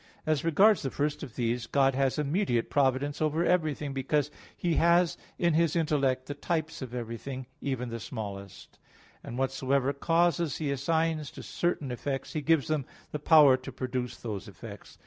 As regards the first of these, God has immediate providence over everything, because He has in His intellect the types of everything, even the smallest; and whatsoever causes He assigns to certain effects, He gives them the power to produce those effects.